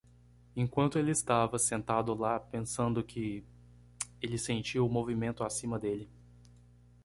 Enquanto ele estava sentado lá pensando que? ele sentiu o movimento acima dele.